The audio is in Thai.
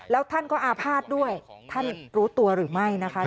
แล้วท่านก็อาภาษณ์ด้วยท่านรู้ตัวหรือไม่นะคะ